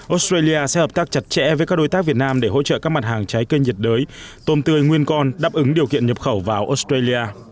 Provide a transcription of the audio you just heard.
australia sẽ hợp tác chặt chẽ với các đối tác việt nam để hỗ trợ các mặt hàng trái cây nhiệt đới tôm tươi nguyên con đáp ứng điều kiện nhập khẩu vào australia